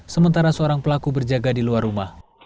sementara seorang pelaku berjaga di luar rumah